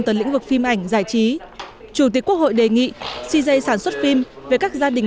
tới lĩnh vực phim ảnh giải trí chủ tịch quốc hội đề nghị cj sản xuất phim về các gia đình